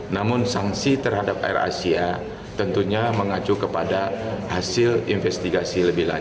namun sanksi terhadap air asia tentunya mengacu kepada hasil investigasi lebih lanjut